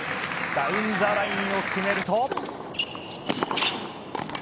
ダウンザラインを決めると。